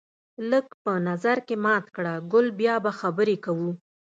لږ په نظر کې مات کړه ګل بیا به خبرې کوو